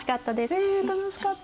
ねえ楽しかった。